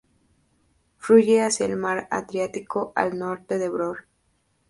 Fluye hacia el mar Adriático, al norte de Vlorë.